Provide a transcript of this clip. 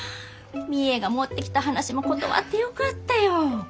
みえが持ってきた話も断ってよかったよ。